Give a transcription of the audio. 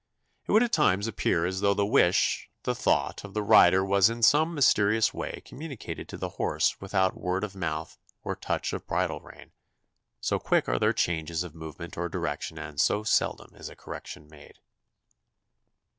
It would at times appear as though the wish, the thought, of the rider was in some mysterious way communicated to the horse without word of mouth or touch of bridle rein, so quick are their changes of movement or direction and so seldom is a correction made.